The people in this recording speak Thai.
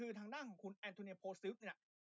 คือทางด้านของคุณแอนทูเนียโพซิฟเนี่ย